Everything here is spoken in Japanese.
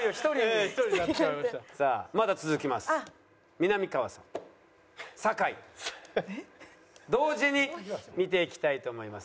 みなみかわさん酒井同時に見ていきたいと思います。